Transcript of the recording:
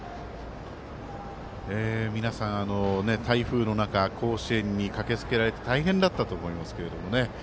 皆さん、台風の中甲子園に駆けつけられて大変だったと思いますが。